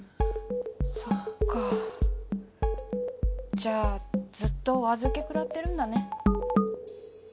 そっかじゃあずっとお預けくらってるんだね。